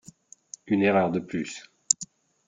Une erreur de plus.